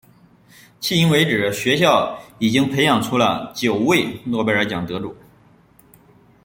迄今为止学校已经培养出了九位诺贝尔奖得主。